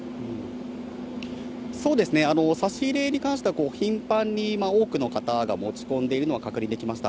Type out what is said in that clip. そうですね、差し入れに関しては、頻繁に多くの方が持ち込んでいるのが確認できました。